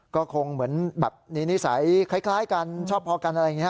ก็คงเหมือนแบบมีนิสัยคล้ายกันชอบพอกันอะไรอย่างนี้